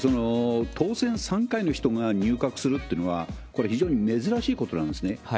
当選３回の人が入閣するってのは、これ、非常に珍しいことなんですね。